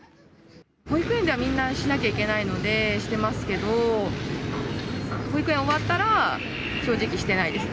保育園ではみんなしなきゃいけないのでしてますけど、保育園終わったら、正直、してないです。